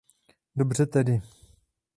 Dobře tedy.